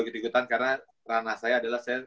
ikut ikutan karena ranah saya adalah saya